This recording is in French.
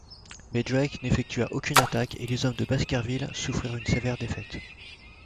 Mais Drake n’effectua aucune attaque, et les hommes de Baskerville souffrirent une sévère défaite.